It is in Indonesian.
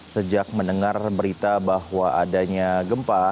sejak mendengar berita bahwa adanya gempa